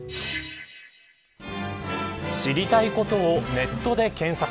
知りたいことをネットで検索。